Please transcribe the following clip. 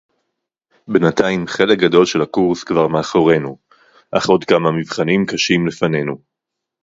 בֵּינְתַיִים חֵלֶק גָדוֹל שֶל הַקוּרְס כְּבָר מֵאֲחוֹרֵינוּ אַךְ עוֹד כַּמָה מִבְחָנִים קָשִים לְפָנֵינוּ.